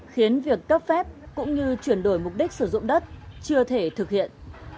khiến việc cấp phép cũng như chuyển đổi mục đích sử dụng đất chưa thể thực hiện